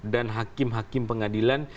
dan hakim hakim pengadilan